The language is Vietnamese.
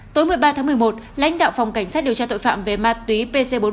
tối một mươi ba tháng một mươi một lãnh đạo phòng cảnh sát điều tra tội phạm về ma túy pc bốn mươi một